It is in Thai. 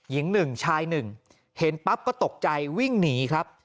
ยิง๑ชาย๑เห็นปั๊บก็ตกใจวิ่งหนีครับ